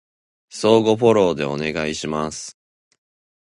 相互フォローでお願いします